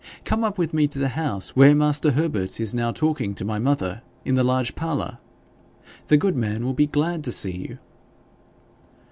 Come up with me to the house, where master Herbert is now talking to my mother in the large parlour. The good man will be glad to see you.'